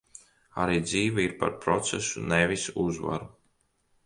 Arī dzīve ir par procesu, nevis uzvaru.